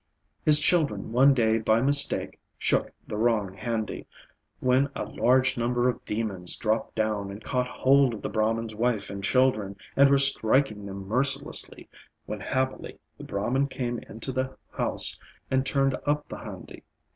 His children one day by mistake shook the wrong handi, when a large number of demons dropped down and caught hold of the Brahman's wife and children and were striking them mercilessly, when happily the Brahman came into the house and turned up the handi.